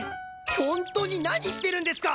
本当に何してるんですか！